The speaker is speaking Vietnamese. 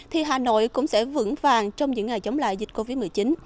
thì hà nội cũng sẽ vững vàng trong những ngày chống lại dịch covid một mươi chín